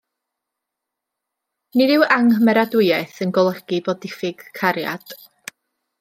Nid yw anghymeradwyaeth yn golygu bod diffyg cariad.